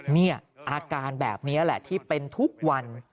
นี่อาการแบบนี้แหละที่เป็นทุกวัน